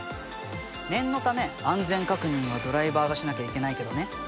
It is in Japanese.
念のため安全確認はドライバーがしなきゃいけないけどね。